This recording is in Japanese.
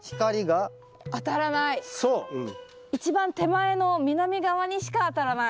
一番手前の南側にしか当たらない。